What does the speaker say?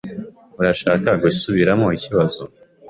Urashaka gusubiramo ikibazo?